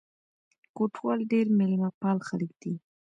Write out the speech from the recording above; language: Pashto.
کوټوال ډېر مېلمه پال خلک دي.